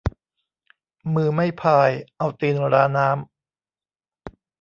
มือไม่พาย เอาตีนราน้ำ